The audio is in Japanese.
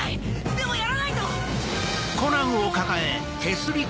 でもやらないと！